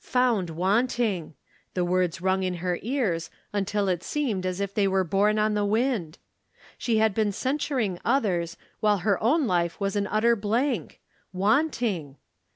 Found wanting ! The words rung in her ears, until it seemed as if they were borne on the wind. She had been censur ing others, while her own life was an utter blank — ^wanting